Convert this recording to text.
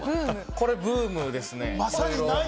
これブームです。